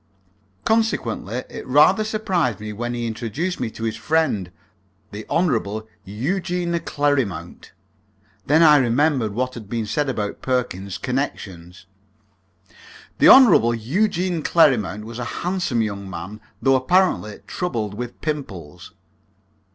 Consequently it rather surprised me when he introduced me to his friend, the Hon. Eugene Clerrimount. Then I remembered what had been said about Perkins's connections. The Hon. Eugene Clerrimount was a handsome young man, though apparently troubled with pimples.